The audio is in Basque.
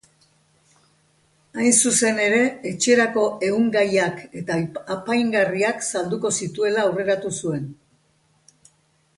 Hain zuzen ere, etxerako ehun-gaiak eta apaingarriak salduko zituela aurreratu zuen.